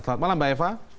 selamat malam mbak eva